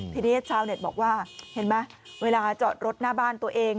ทีนี้ชาวเน็ตบอกว่าเห็นไหมเวลาจอดรถหน้าบ้านตัวเอง